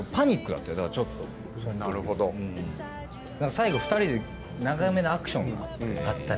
最後２人で長めのアクションがあって。